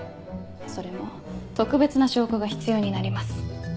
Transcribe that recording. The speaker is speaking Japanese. それも特別な証拠が必要になります。